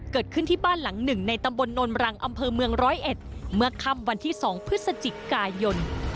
เกิดขึ้นที่บ้านหลังหนึ่งในตำบลโนนรังอำเภอเมืองร้อยเอ็ดเมื่อค่ำวันที่๒พฤศจิกายน